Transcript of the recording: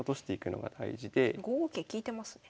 ５五桂利いてますね。